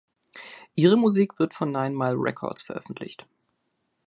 Ihre Musik wird von Nine Mile Records veröffentlicht.